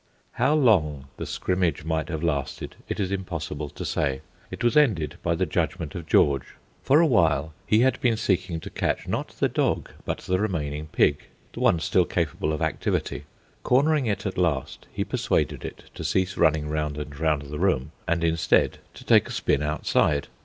How long the scrimmage might have lasted it is impossible to say. It was ended by the judgment of George. For a while he had been seeking to catch, not the dog but the remaining pig, the one still capable of activity. Cornering it at last, he persuaded it to cease running round and round the room, and instead to take a spin outside.